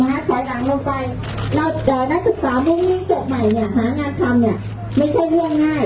นะฮะขอหลังลงไปแล้วนักศึกษาเรื่องนี้เจอใหม่เนี่ย